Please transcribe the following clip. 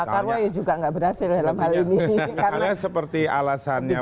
pak karwoyo juga tidak berhasil dalam hal ini